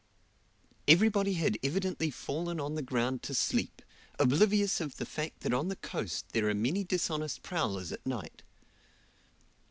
Everybody had evidently fallen on the ground to sleep, oblivious of the fact that on the coast there are many dishonest prowlers at night.